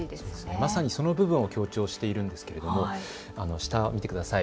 まさにその部分を強調しているんですけれども下、見てください。